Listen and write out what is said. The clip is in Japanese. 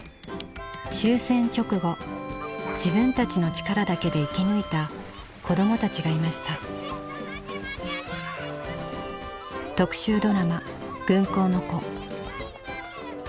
終戦直後自分たちの力だけで生き抜いた子どもたちがいました特集ドラマ「軍港の子」